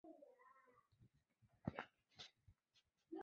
出身于千叶县。